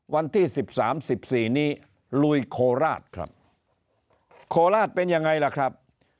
วันที่๑๓๑๔นี้ลุยโคราชครับโคราชเป็นยังไงล่ะครับ